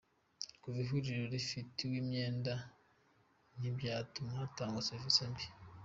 Kuba ivuriro rifitiwe imyenda ntibyatuma hatangwa serivisi mbi